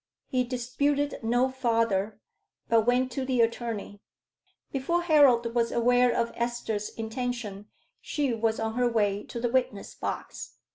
He disputed no farther, but went to the attorney. Before Harold was aware of Esther's intention she was on her way to the witness box.